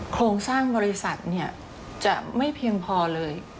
โครงสร้างบริษัทจะไม่เพียงพอเลย